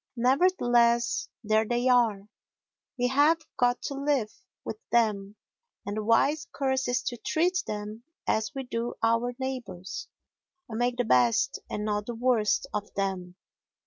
Nevertheless there they are; we have got to live with them, and the wise course is to treat them as we do our neighbours, and make the best and not the worst of them.